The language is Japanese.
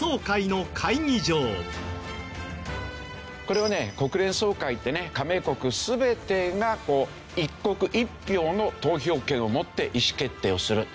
これはね国連総会ってね加盟国全てが１国１票の投票権を持って意思決定をする。